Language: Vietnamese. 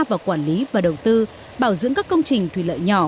vào quản lý và đầu tư bảo dưỡng các công trình thủy lợi nhỏ